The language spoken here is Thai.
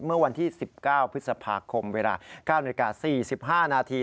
เมื่อวันที่๑๙พฤษภาคมเวลา๙นาฬิกา๔๕นาที